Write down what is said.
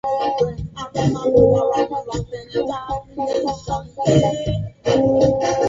Kilimo cha Kigeni na Chuo Kikuu cha Georgia Athens nchini Georgia